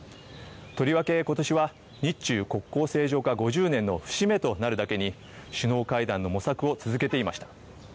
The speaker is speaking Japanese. とりわけことしは日中国交正常化５０年の節目となるだけに、首脳会談の模索を続けていました。